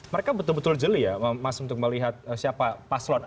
mereka betul betul jeli ya mas untuk melihat siapa paslon